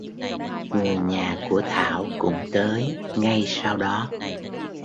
người nhà của thảo cũng tới ngay sau đó